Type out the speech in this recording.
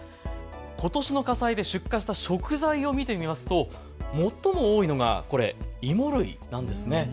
ことしの火災で出火した食材を見てみますと最も多いのがこれ、芋類なんですね。